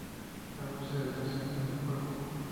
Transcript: Hay muchas habitaciones en el juego.